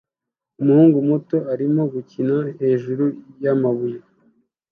Umuhungu muto arimo gukina hejuru yamabuye